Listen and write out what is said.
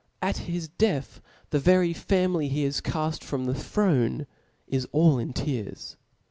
At his death the very family he Jias.caft from the throne, is all in, tears.